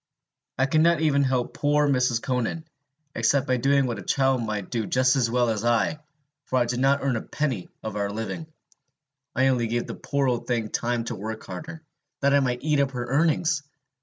I could not even help poor Mrs. Conan, except by doing what a child might do just as well as I, for I did not earn a penny of our living; I only gave the poor old thing time to work harder, that I might eat up her earnings!